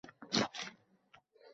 Voy, yuzingizga nima qildi?